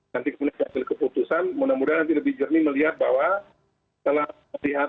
nanti kemudian keputusan mudah mudahan nanti lebih jernih melihat